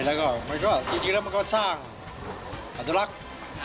แล้วก็มันก็จริงแล้วมันก็สร้างอนุรักษ์